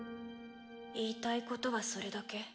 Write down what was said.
言いたいことはそれだけ？